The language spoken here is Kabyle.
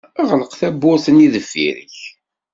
Ɣleq tawwurt-nni deffir-k.